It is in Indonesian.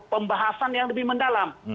pembahasan yang lebih mendalam